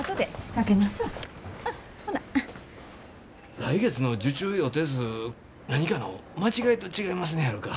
来月の受注予定数何かの間違いと違いますねやろか？